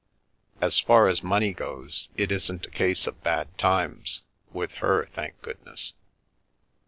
As far as money goes, it isn't a case of bad times — with her, thank goodness